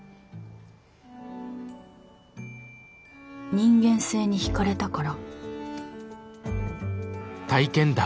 「人間性に惹かれたから」